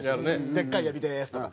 「でっかいエビでーす」とか。